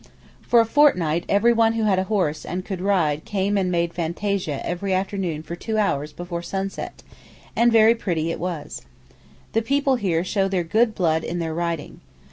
For a fortnight everyone who had a horse and could ride came and 'made fantasia' every afternoon for two hours before sunset; and very pretty it was. The people here show their good blood in their riding.